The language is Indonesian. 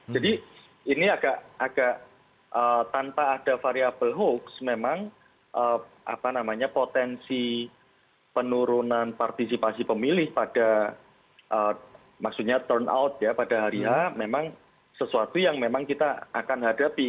ini agak tanpa ada variable hoax memang potensi penurunan partisipasi pemilih pada maksudnya turnout ya pada hari ini memang sesuatu yang memang kita akan hadapi